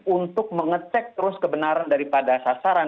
untuk mengecek terus kebenaran daripada sasaran